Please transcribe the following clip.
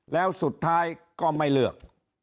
แล้วสุดท้ายก็ไม่เลือก